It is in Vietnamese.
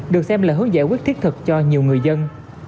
được xem là hướng giải quyết thiết thực cho nhiều người dân